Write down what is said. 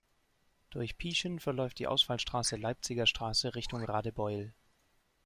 Durch Pieschen verläuft die Ausfallstraße Leipziger Straße Richtung Radebeul.